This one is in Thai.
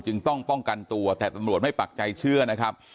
จึงต้องป้องกันตัวแต่ตำรวจไม่ปักใจเชื่อนะครับ